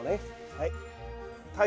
はい。